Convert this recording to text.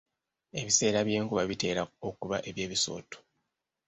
Ebiseera by'enkuba bitera okuba eby'ebisooto.